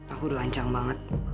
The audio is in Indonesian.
aku rancang banget